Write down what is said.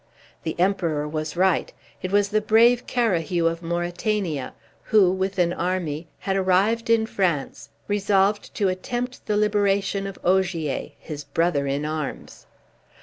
The Emperor was right; it was the brave Carahue of Mauritania, who, with an army, had arrived in France, resolved to attempt the liberation of Ogier, his brother in arms.